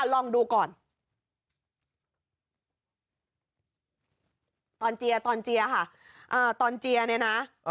ลองดูก่อน